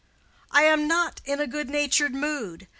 "I am not in a good natured mood.